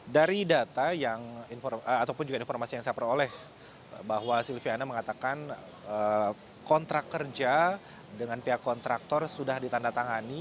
dari data yang ataupun juga informasi yang saya peroleh bahwa silviana mengatakan kontrak kerja dengan pihak kontraktor sudah ditandatangani